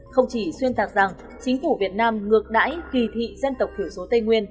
không chỉ xuyên tạc rằng chính phủ việt nam ngược đãi kỳ thị dân tộc thiểu số tây nguyên